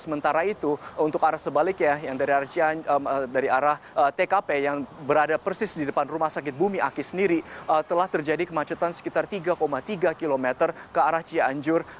sementara itu untuk arah sebaliknya yang dari arah tkp yang berada persis di depan rumah sakit bumi aki sendiri telah terjadi kemacetan sekitar tiga tiga km ke arah cianjur